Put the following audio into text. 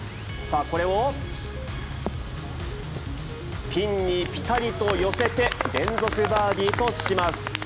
これをピンにぴたりと寄せて、連続バーディーとします。